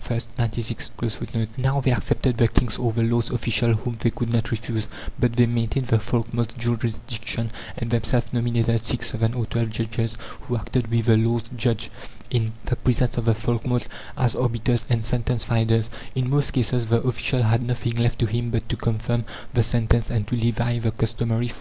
(13) Now, they accepted the king's or the lord's official whom they could not refuse; but they maintained the folkmote's jurisdiction, and themselves nominated six, seven, or twelve judges, who acted with the lord's judge, in the presence of the folkmote, as arbiters and sentence finders. In most cases the official had nothing left to him but to confirm the sentence and to levy the customary fred.